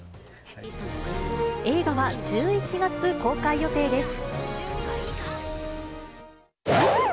映画は１１月公開予定です。